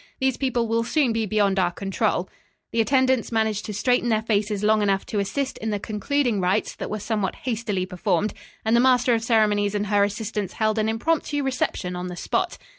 "These people will soon be beyond our control." The attendants managed to straighten their faces long enough to assist in the concluding rites that were somewhat hastily performed, and the master of ceremonies and her assistants held an impromptu reception on the spot.